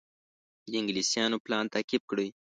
د انګلیسیانو پلان تعقیب کړي.